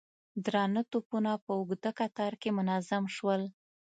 درانه توپونه په اوږده کتار کې منظم شول.